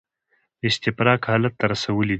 د استفراق حالت ته رسولي دي.